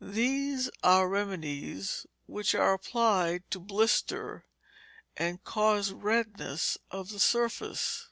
These are remedies which are applied to blister and cause redness of the surface.